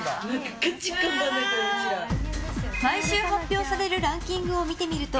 毎週発表されるランキングを見てみると